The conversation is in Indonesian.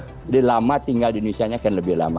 jadi lama tinggal di indonesia akan lebih lama